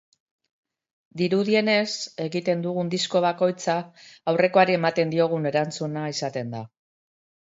Dirudienez, egiten dugun disko bakoitza aurrekoari ematen diogun erantzuna izaten da.